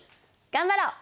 頑張ろう！